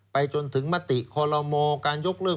ไปจนถึงมติคลมการยกเลิก